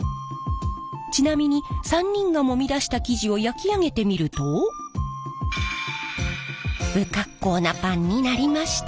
ちなみに３人がもみ出した生地を焼き上げてみると不格好なパンになりました。